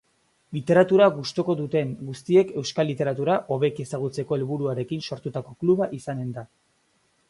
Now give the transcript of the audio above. Literatura gustuko duten guztiek euskal literatura hobeki ezagutzeko helburuarekin sortutako kluba izanen da.